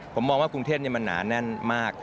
ผมมองว่ากรุงเทพมันหนาแน่นมาก